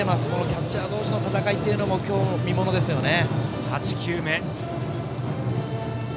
キャッチャー同士の戦いも今日、見ものですね。